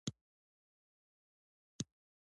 کندهار د افغانانو د ګټورتیا برخه ده.